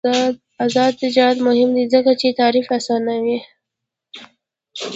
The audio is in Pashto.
آزاد تجارت مهم دی ځکه چې تفریح اسانوي.